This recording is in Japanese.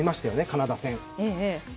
カナダ戦。